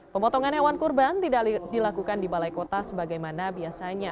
pemotongan hewan kurban tidak dilakukan di balai kota sebagaimana biasanya